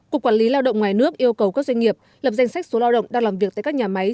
cục quản lý lao động ngoài nước yêu cầu các doanh nghiệp lập danh sách số lao động đang làm việc tại các nhà máy